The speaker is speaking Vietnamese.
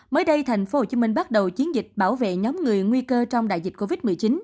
mới đây tp hcm bắt đầu chiến dịch bảo vệ nhóm người nguy cơ trong đại dịch covid một mươi chín